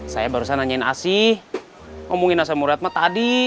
saya barusan nanyain asih ngomongin asam uratmu tadi